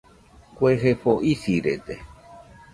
Kue jefo isirede